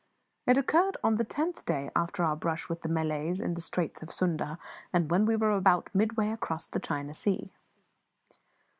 It occurred on the tenth day after our brush with the Malays in the Straits of Sunda, and when we were about midway across the China Sea.